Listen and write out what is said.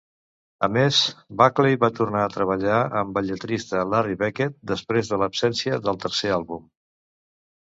A més, Buckley va tornar a treballar amb el lletrista Larry Beckett, després de l'absència del tercer àlbum.